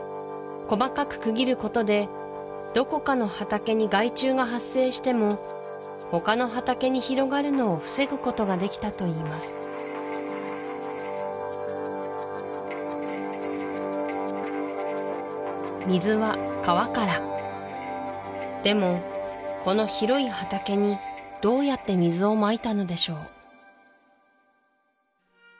細かく区切ることでどこかの畑に害虫が発生してもほかの畑に広がるのを防ぐことができたといいます水は川からでもこの広い畑にどうやって水をまいたのでしょう？